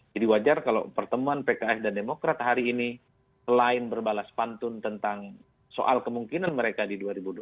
jadi wajar kalau pertemuan pks dan demokrat hari ini selain berbalas pantun tentang soal kemungkinan mereka di dua ribu dua puluh empat